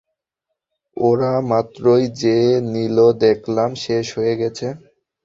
ওরা মাত্রই যে নিল দেখলাম, - শেষ হয়ে গেছে।